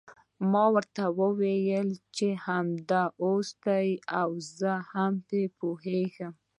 ما ورته وویل چې همداسې ده او زه هم پرې پوهیږم.